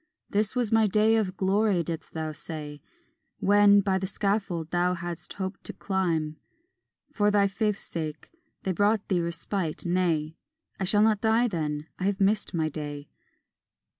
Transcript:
"This was my day of glory," didst thou say, When, by the scaffold thou hadst hope to climb For thy faith's sake, they brought thee respite; "Nay, I shall not die then, I have missed my day."